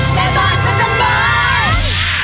แม่บ้านพระจันทร์บอล